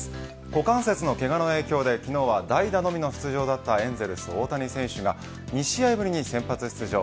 股関節のけがの影響で昨日は代打のみの出場だったエンゼルス大谷翔平選手が２試合ぶりに先発出場。